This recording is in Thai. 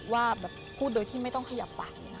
ว่าแบบพูดโดยที่ไม่ต้องขยับปาก